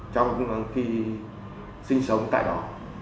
trong khi sinh sống tại đó